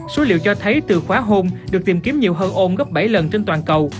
số liệu cho thấy từ khóa hôn được tìm kiếm nhiều hơn ôn gấp bảy lần trên toàn cầu